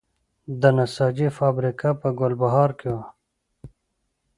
د نساجي فابریکه په ګلبهار کې وه